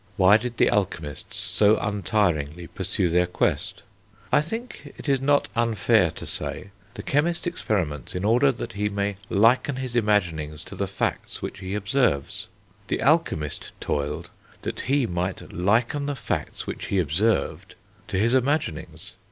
Why did the alchemists so untiringly pursue their quest? I think it is not unfair to say: the chemist experiments in order that he "may liken his imaginings to the facts which he observes"; the alchemist toiled that he might liken the facts which he observed to his imaginings.